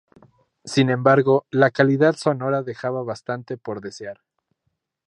Sin embargo, la calidad sonora dejaba bastante por desear.